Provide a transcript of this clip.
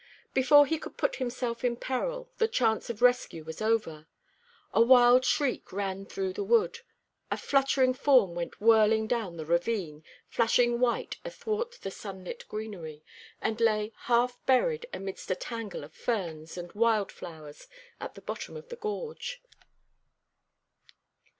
Before he could put himself in peril the chance of rescue was over. A wild shriek rang through the wood a fluttering form went whirling down the ravine, flashing white athwart the sunlit greenery, and lay half buried amidst a tangle of ferns and wild flowers at the bottom of the gorge.